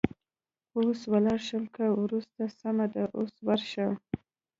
اوس ولاړه شم که وروسته؟ سمه ده، اوس ورشه.